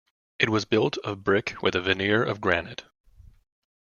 It was built of brick with a veneer of granite.